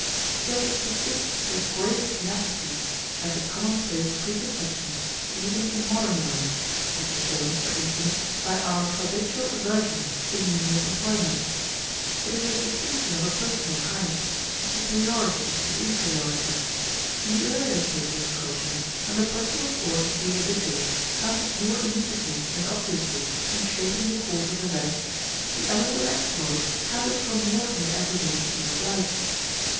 But it persists with great tenacity as a commonplace preconception even in modern life, as is shown, for instance, by our habitual aversion to menial employments. It is a distinction of a personal kind of superiority and inferiority. In the earlier stages of culture, when the personal force of the individual counted more immediately and obviously in shaping the course of events, the element of exploit counted for more in the everyday scheme of life.